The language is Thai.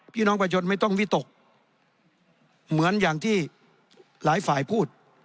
พี่น้องประชนไม่ต้องวิตกเหมือนอย่างที่หลายฝ่ายพูด